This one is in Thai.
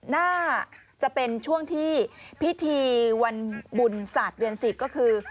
น่าจะเป็นช่วงที่พิธีวันบุญศาสตร์เดือน๑๐ก็คือ